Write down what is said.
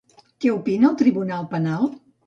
Què opina el tribunal penal?